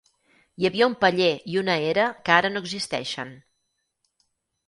Hi havia un paller i una era que ara no existeixen.